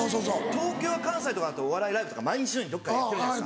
東京や関西とかだとお笑いライブとか毎日のようにどっかでやってるじゃないですか。